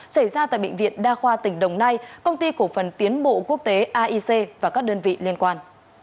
xảy ra tại bệnh viện đa khoa tỉnh đồng nai công ty cổ phần tiến bộ quốc tế aic và các đơn vị liên quan